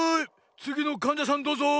つぎのかんじゃさんどうぞ。